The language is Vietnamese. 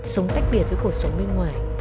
sống tách biệt với cuộc sống bên ngoài